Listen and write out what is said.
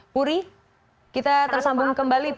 puri kita tersambung kembali